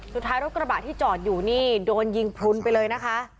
สุดท้ายรถกระบะที่จอดอยู่นี่โดนยิงพลุนไปเลยนะคะ